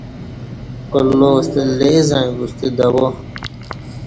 اللہ ستہ لے زعیں بوستہ دوا